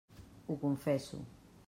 Ho confesso.